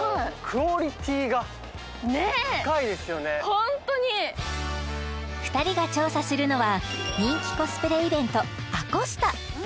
本当に２人が調査するのは人気コスプレイベントａｃｏｓｔａ！